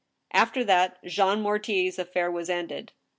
After that Jean Mortier's affair was ended.